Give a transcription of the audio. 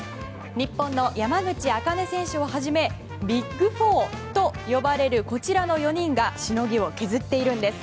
日本の山口茜選手をはじめビッグ４と呼ばれるこちらの４人がしのぎを削っているんです。